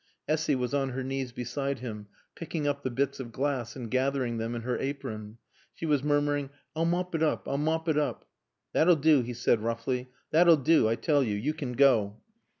Essy was on her knees beside him, picking up the bits of glass and gathering them in her apron. She was murmuring, "I'll mop it oop. I'll mop it oop." "That'll do," he said roughly. "That'll do, I tell you. You can go."